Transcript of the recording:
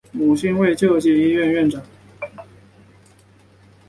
母亲为救济医院院长。